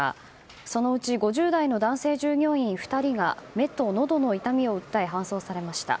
そのうち５０代の男性従業員２人が目と、のどの痛みを訴え搬送されました。